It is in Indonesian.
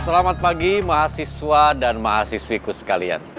selamat pagi mahasiswa dan mahasiswiku sekalian